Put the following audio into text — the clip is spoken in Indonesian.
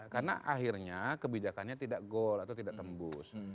karena akhirnya kebijakannya tidak goal atau tidak tembus